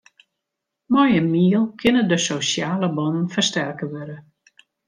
Mei in miel kinne de sosjale bannen fersterke wurde.